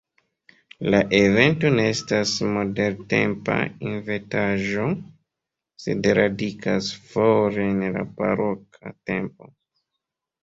La evento ne estas moderntempa inventaĵo, sed radikas fore en la baroka tempo.